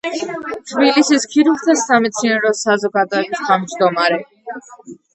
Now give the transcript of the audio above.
თბილისის ქირურგთა სამეცნიერო საზოგადოების თავმჯდომარე.